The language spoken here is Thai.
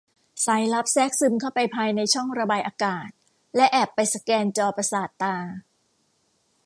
สายลับแทรกซึมเข้าไปภายในช่องระบายอากาศและแอบไปสแกนจอประสาทตา